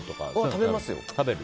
食べます。